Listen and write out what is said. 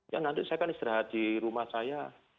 ya nanti saya kan istirahat di rumah saya